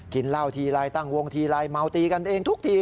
กินเหล้าทีไรตั้งวงทีไรเมาตีกันเองทุกที